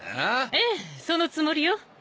ええそのつもりよ